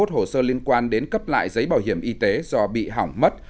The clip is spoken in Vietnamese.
năm mươi một hồ sơ liên quan đến cấp lại giấy bảo hiểm y tế do bị hỏng mất